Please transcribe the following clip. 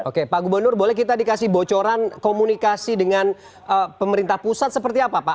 oke pak gubernur boleh kita dikasih bocoran komunikasi dengan pemerintah pusat seperti apa pak